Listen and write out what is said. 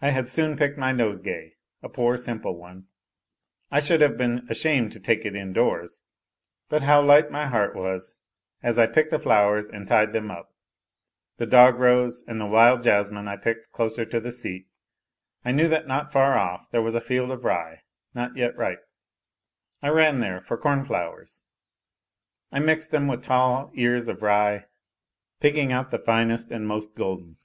I had soon picked my nosegay, a poor, simple one, I should have been ashamed to take it indoors ; but how light my heart was as I picked the flowers and tied them up ! The dog rose and the wild jasmine I picked closer to the seat, I knew that not far off then \vjis a field of rye, not. yet ri]M>. I ran there for cornflowers; I mixed them with tall ears of rye, picking out the A LITTLE HERO 265 finest and most golden.